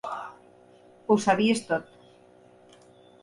Ho sabies tot.